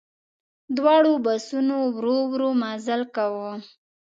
دواړو بسونو ورو ورو مزل کاوه.